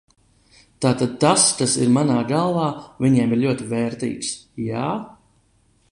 Tātad tas, kas ir manā galvā, viņiem ir ļoti vērtīgs, jā?